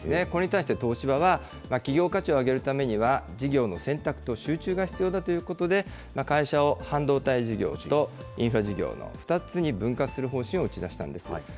これに対して、東芝は、企業価値を上げるためには事業の選択と集中が必要だということで、会社を半導体事業とインフラ事業の２つに分割する方針を打ち出したんです。